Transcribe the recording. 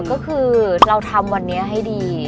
ก็คือเราทำวันนี้ให้ดี